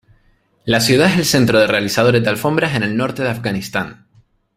La ciudad es el centro de realizadores de alfombras en el norte de Afganistán.